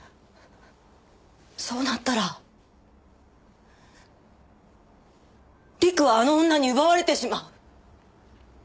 そうなったら陸はあの女に奪われてしまう。